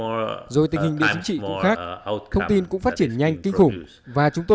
rồi tình hình địa chính trị cũng khác thông tin cũng phát triển nhanh kinh khủng